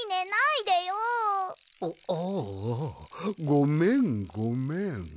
あっああごめんごめん。